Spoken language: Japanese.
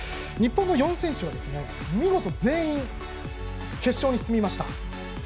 日本の４選手が見事、全員決勝に進みました。